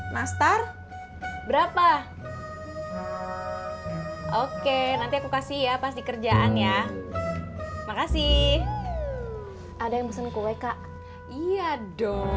nastar berapa oke nanti aku kasih ya pasti kerjaan ya makasih ada yang pesan kue kak iya dong